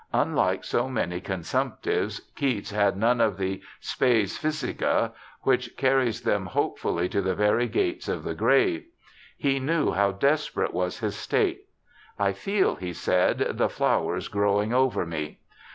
Unlike so many consumptives, Keats had none of the spes phthisica, which carries them hopefully to the very gates of the grave. He knew how desperate was his state. *I feel,' he said, 'the flowers growing over me.'